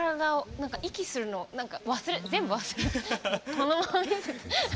このまま見てて。